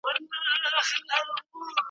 چي د سپي سترګي سوې خلاصي په غپا سو